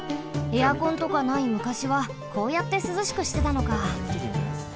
エアコンとかないむかしはこうやってすずしくしてたのか。